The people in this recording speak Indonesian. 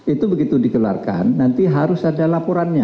itu begitu dikeluarkan nanti harus ada laporannya